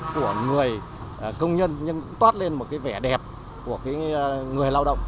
của người công nhân nhưng cũng toát lên một cái vẻ đẹp của người lao động